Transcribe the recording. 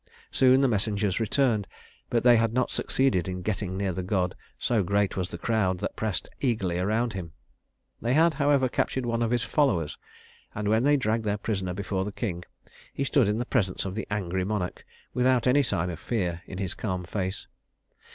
Soon the messengers returned, but they had not succeeded in getting near the god so great was the crowd that pressed eagerly around him. They had, however, captured one of his followers; and when they dragged their prisoner before the king, he stood in the presence of the angry monarch without any sign of fear in his calm face.